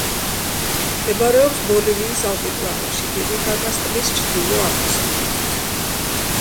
მდებარეობს ბოლივიის ალტიპლანოში, ტიტიკაკას ტბის ჩრდილო-აღმოსავლეთით.